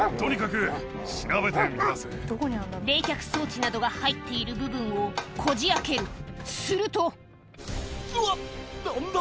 冷却装置などが入っている部分をこじ開けるするとうわ！